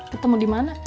ketemu di mana